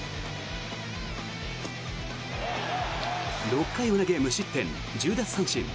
６回を投げ無失点１０奪三振。